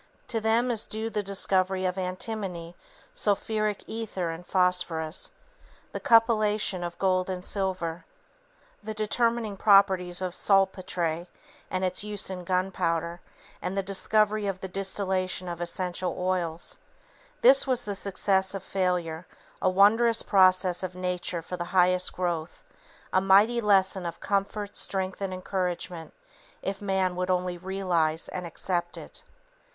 To them is due the discovery of antimony, sulphuric ether and phosphorus, the cupellation of gold and silver, the determining of the properties of saltpetre and its use in gunpowder, and the discovery of the distillation of essential oils. This was the success of failure, a wondrous process of Nature for the highest growth, a mighty lesson of comfort, strength, and encouragement if man would only realize and accept it.